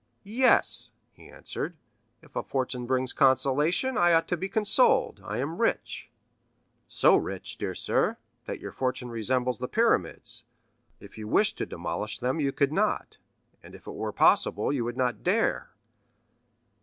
"Yes," he answered, "if a fortune brings consolation, I ought to be consoled; I am rich." "So rich, dear sir, that your fortune resembles the pyramids; if you wished to demolish them you could not, and if it were possible, you would not dare!"